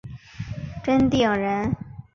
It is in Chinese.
真定人。